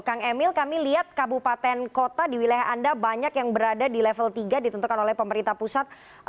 kang emil kami lihat kabupaten kota di wilayah anda banyak yang berada di level tiga ditentukan oleh pemerintah pusat